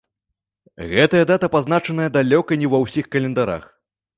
Гэтая дата пазначаная далёка не ва ўсіх календарах.